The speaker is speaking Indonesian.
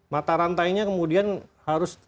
mata rantainya kemudian harus